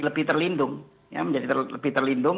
lebih terlindung menjadi lebih terlindung